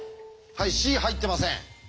はいＣ入ってません。